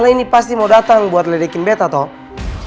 ana ini pasti mau datang buat ledekin betta toh